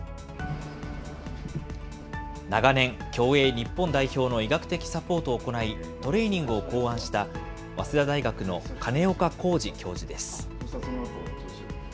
長年、競泳日本代表の医学的サポートを行い、トレーニングを考案した、早稲田大学の金岡恒治教授です。